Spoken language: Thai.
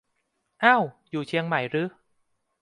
เอ้า อยู่เชียงใหม่รึ